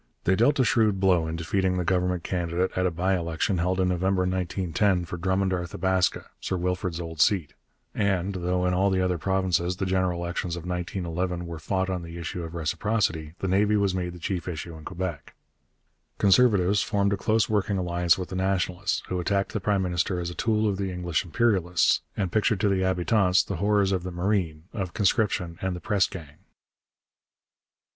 They dealt a shrewd blow in defeating the Government candidate at a by election held in November 1910 for Drummond Arthabaska, Sir Wilfrid's old seat. And, though in all the other provinces the general elections of 1911 were fought on the issue of reciprocity, the navy was made the chief issue in Quebec. Conservatives formed a close working alliance with the Nationalists, who attacked the prime minister as a tool of the English imperialists, and pictured to the habitants the horrors of the marine, of conscription and the press gang.